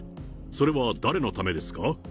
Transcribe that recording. それは誰のためですか。